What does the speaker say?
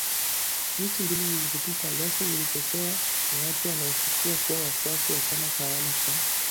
Wiki mbili zilizopita, ghasia zilizochochewa na watu wanaoshukiwa kuwa wafuasi wa chama tawala cha